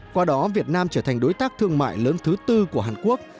qua đó việt nam trở thành đối tác thương mại lớn thứ tư của hàn quốc